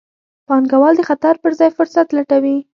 پانګوال د خطر پر ځای فرصت لټوي.